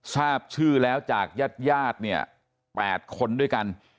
ทราบชื่อแล้วจากญาติเนี่ย๘คนด้วยกัน